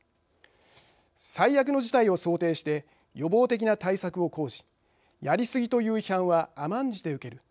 最悪の事態を想定して予防的な対策を講じやりすぎという批判は甘んじて受ける。